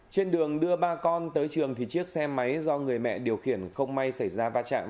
trên đường đưa ba con tới trường thì chiếc xe máy do người mẹ điều khiển không may xảy ra va chạm